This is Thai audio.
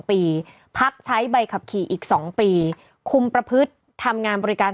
ปีพักใช้ใบขับขี่อีก๒ปีคุมประพฤติทำงานบริการ